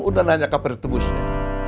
udah nanya kapan ditembusnya